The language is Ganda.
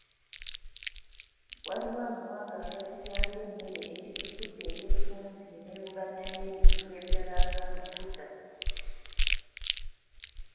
Waliwo amawanga agagirya ng’emmere ekigifudde eyettunzi n’evuganya n’ebintu ebirala ng’amafuta.